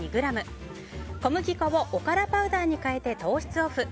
小麦粉をおからパウダーに変えて糖質オフ。